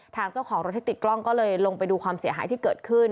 ทางเจ้าของรถที่ติดกล้องก็เลยลงไปดูความเสียหายที่เกิดขึ้น